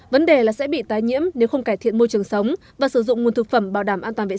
vấn đề là sẽ bị tái nhiễm nếu không cải thiện môi trường sống và sử dụng nguồn thực phẩm bảo đảm an toàn vệ sinh